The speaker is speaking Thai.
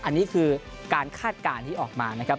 อันนี้คือการคาดการณ์ที่ออกมานะครับ